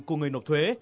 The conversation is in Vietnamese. của người nộp thuế